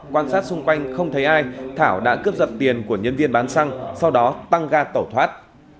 quan sát xung quanh không thấy ai thảo đã cướp giật tiền của nhân viên bán xăng sau đó tăng ga tẩu thoát